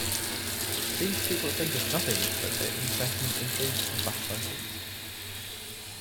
These people think of nothing but their incessant intrigues and backbitings.